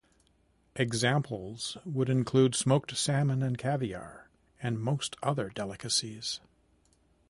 Examples would include smoked salmon and caviar, and most other delicacies.